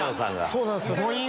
そうなんすよ。